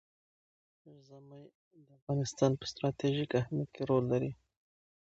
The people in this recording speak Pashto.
ژمی د افغانستان په ستراتیژیک اهمیت کې رول لري.